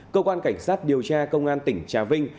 cơ quan cảnh sát điều tra công an tỉnh trà vinh